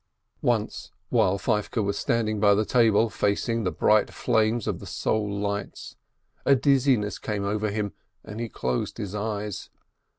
Once, while Feivke was standing by the table facing the bright flames of the soul lights, a dizziness came over him, and he closed his eyes.